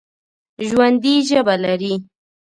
ژوندي ژبه لري